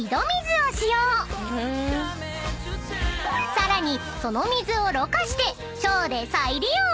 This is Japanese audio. ［さらにその水をろ過してショーで再利用］